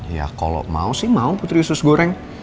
ya kalau mau sih mau putri susu goreng